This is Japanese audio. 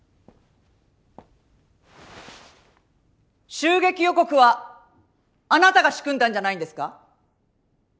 襲撃予告はあなたが仕組んだんじゃないんですか？